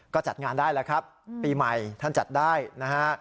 ก็จัดงานได้แล้วครับปีใหม่ท่านจัดได้นะฮะ